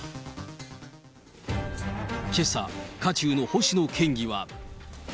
けさ、渦中の星野県議は。